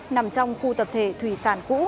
nằm trong khu tập thể thủy sản cũ